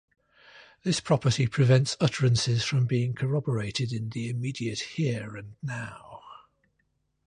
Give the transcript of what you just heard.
This property prevents utterances from being corroborated in the immediate 'here' and 'now.